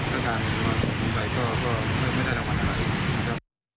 แล้วก็ไม่ได้หวังอะไรมาก